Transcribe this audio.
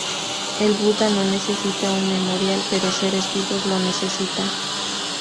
El Buda no necesita un memorial, pero seres vivos lo necesitan.